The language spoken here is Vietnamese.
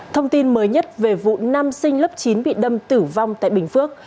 thông tin mới nhất về vụ nam sinh lớp chín bị đâm tử vong tại bình phước